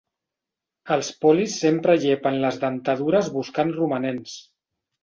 Els polis sempre llepen les dentadures buscant romanents.